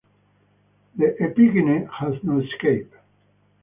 The epigyne has no scape.